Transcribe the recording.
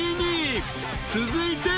続いて］